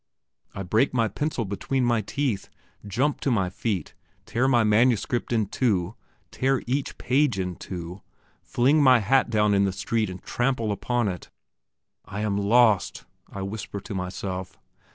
I break my pencil between my teeth, jump to my feet, tear my manuscript in two, tear each page in two, fling my hat down in the street and trample upon it. I am lost! I whisper to myself.